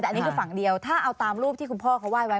แต่อันนี้คือฝั่งเดียวถ้าเอาตามรูปที่คุณพ่อเขาไห้ไว้